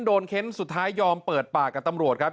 เค้นสุดท้ายยอมเปิดปากกับตำรวจครับ